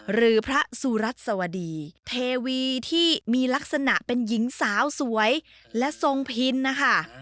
หรือพระสุรัสสวดีเทวีที่มีลักษณะเป็นหญิงสาวสวยและทรงพินนะคะ